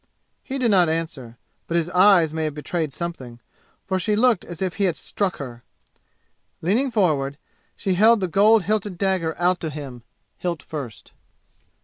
He did not answer, but his eyes may have betrayed something, for she looked as if he had struck her. Leaning forward, she held the gold hilted dagger out to him, hilt first.